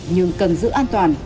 nhưng cần giữ an toàn